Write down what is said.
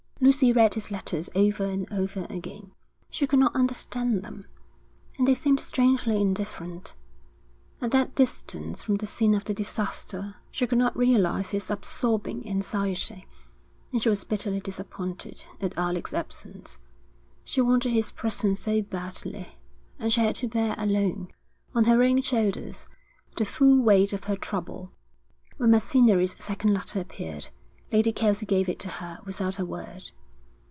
Lucy read his letters over and over again. She could not understand them, and they seemed strangely indifferent. At that distance from the scene of the disaster she could not realise its absorbing anxiety, and she was bitterly disappointed at Alec's absence. She wanted his presence so badly, and she had to bear alone, on her own shoulders, the full weight of her trouble. When Macinnery's second letter appeared, Lady Kelsey gave it to her without a word.